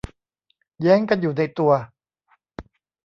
แย้งกันอยู่ในตัว